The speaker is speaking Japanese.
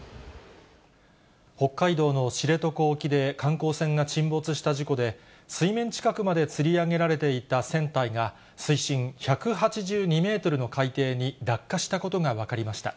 北海道の知床沖で観光船が沈没した事故で、水面近くまでつり上げられていた船体が、水深１８２メートルの海底に落下したことが分かりました。